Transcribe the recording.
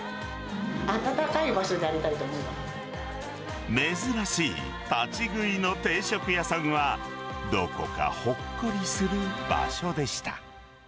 あたたかい場所でありたいと珍しい立ち食いの定食屋さんは、どこかほっこりする場所でした。